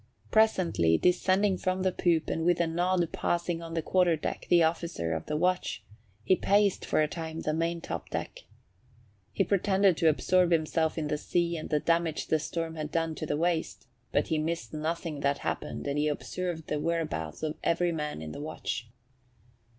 Presently descending from the poop and with a nod passing on the quarter deck the officer of the watch, he paced for a time the maintop deck. He pretended to absorb himself in the sea and the damage the storm had done to the waist; but he missed nothing that happened and he observed the whereabouts of every man in the watch.